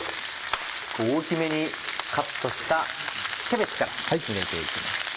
大きめにカットしたキャベツから入れて行きます。